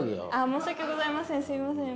申し訳ございません。